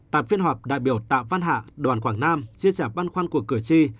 tạp phiên họp đại biểu tạ văn hạ đoàn quảng nam chia sẻ băn khoăn của cửa chi